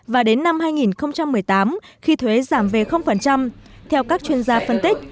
và đến năm hai nghìn một mươi tám khi thuế giảm về theo các chuyên gia phân tích